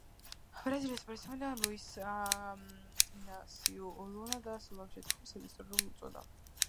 ბრაზილიის პრეზიდენტმა ლუის ინასიუ ლულა და სილვამ შეთანხმებას ისტორიული უწოდა.